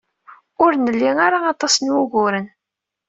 Ur nli ara aṭas n wuguren.